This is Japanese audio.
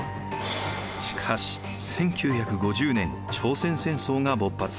しかし１９５０年朝鮮戦争が勃発。